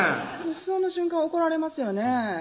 その瞬間怒られますよねぇ